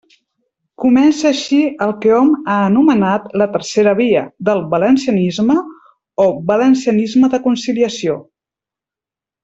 Comença així el que hom ha anomenat la «tercera via» del valencianisme o valencianisme de conciliació.